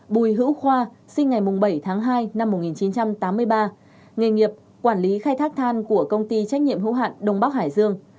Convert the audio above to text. bùi hữu khoa sinh ngày bảy tháng hai năm một nghìn chín trăm tám mươi ba nghề nghiệp quản lý khai thác than của công ty trách nhiệm hữu hạn đông bắc hải dương